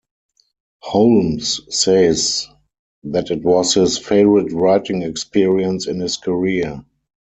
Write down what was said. Holmes says that it was his favorite writing experience in his career.